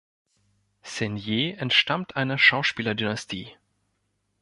Seigner entstammt einer Schauspieler-Dynastie.